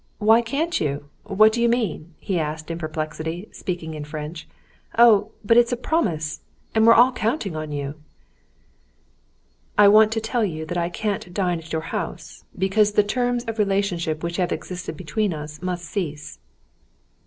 "Why can't you? What do you mean?" he asked in perplexity, speaking in French. "Oh, but it's a promise. And we're all counting on you." "I want to tell you that I can't dine at your house, because the terms of relationship which have existed between us must cease."